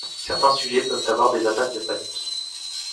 Certains sujets peuvent avoir des attaques de panique.